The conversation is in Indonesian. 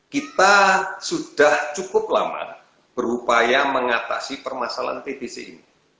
kita sudah cukup lama berupaya mengatasi permasalahan tbc ini